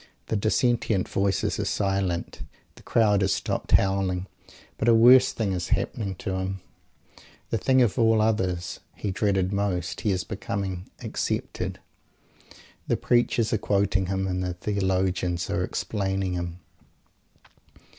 The dissentient voices are silent. The crowd has stopped howling. But a worse thing is happening to him, the thing of all others he dreaded most; he is becoming "accepted" The preachers are quoting him and the theologians are explaining him.